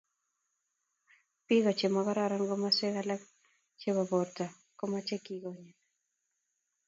biko che makororon komoswek alak che bo borto ko meche kikonyit